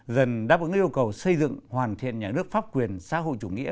dần đáp ứng yêu cầu xây dựng hoàn thiện nhà nước pháp quyền xã hội chủ nghĩa